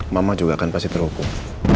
mama juga akan pasti terhukum